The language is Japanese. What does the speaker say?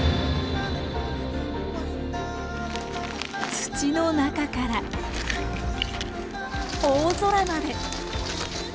土の中から大空まで。